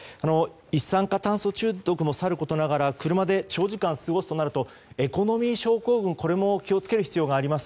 一酸化炭素中毒もさることながら車で長時間、過ごすとなるとエコノミー症候群も気を付ける必要があります。